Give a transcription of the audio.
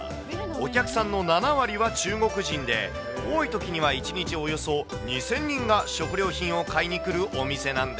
お客さんの７割は中国人で、多いときには１日およそ２０００人が食料品を買いに来るお店なん